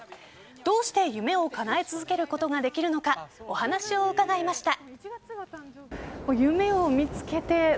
どうして夢をかなえ続けることができるのかお話を伺いました。